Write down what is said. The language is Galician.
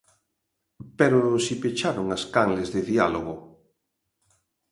Pero si pecharon as canles de diálogo.